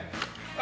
あ。